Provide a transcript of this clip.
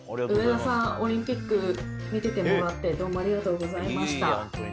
上田さん、オリンピック見ててもらって、どうもありがとうございました。